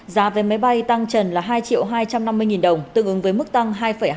giá về máy bay tăng trần là hai hai trăm năm mươi đồng tương ứng với mức tăng hai hai mươi năm